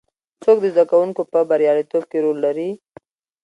څوک د زده کوونکو په بریالیتوب کې رول لري؟